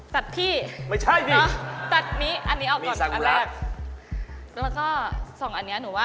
ตัดพี่อ๋อตัดนี้อันนี้ออกก่อนอันแรกแล้วก็๒อันนี้หนูว่า